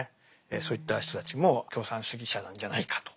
そういった人たちも共産主義者なんじゃないかと。